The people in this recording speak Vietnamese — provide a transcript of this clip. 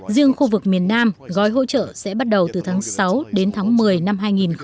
riêng khu vực miền nam gói hỗ trợ sẽ bắt đầu từ tháng sáu đến tháng một mươi năm hai nghìn hai mươi